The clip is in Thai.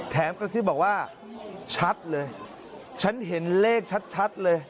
กระซิบบอกว่าชัดเลยฉันเห็นเลขชัดเลย